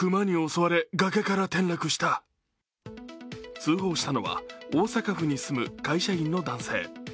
通報したのは大阪府に住む会社員の男性。